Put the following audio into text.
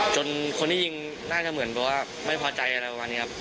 คนที่ยิงน่าจะเหมือนแบบว่าไม่พอใจอะไรประมาณนี้ครับ